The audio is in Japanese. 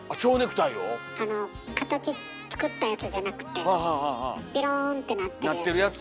形作ったやつじゃなくてピローンってなってるやつ。